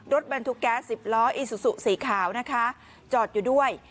รถบรรทุกแก๊สสิบล้ออีซูซูสีขาวนะคะจอดอยู่ด้วย